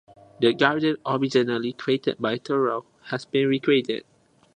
The garden, originally created by Thoreau, has been recreated.